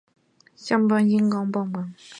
鸦科在是鸟纲雀形目中的一个科。